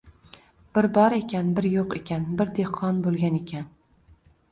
Bir bor ekan, bir yo’q ekan, bir dehqon bo’lgan ekan